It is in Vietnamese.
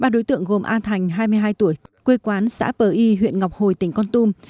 ba đối tượng gồm a thành hai mươi hai tuổi quê quán xã bờ y huyện ngọc hồi tỉnh con tum